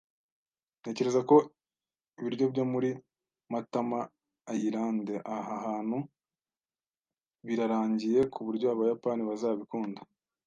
Ntekereza ko ibiryo byo muri Matamaayilande aha hantu birarangiye kuburyo abayapani bazabikunda.